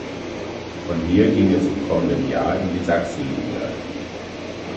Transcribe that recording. Von hier ging es im kommenden Jahr in die Sachsenliga.